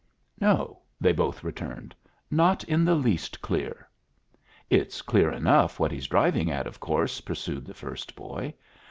"No," they both returned, "not in the least clear." "It's clear enough what he's driving at of course," pursued the first boy.